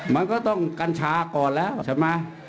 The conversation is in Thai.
มันก็ต้องกัญชาก่อนแล้วใช่ไหม